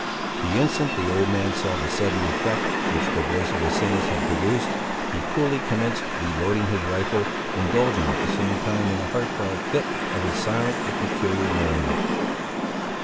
The instant the old man saw the sudden effect which the voice of Asinus had produced, he coolly commenced reloading his rifle, indulging at the same time in a heartfelt fit of his silent and peculiar merriment.